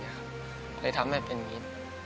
และทำให้ทนนี้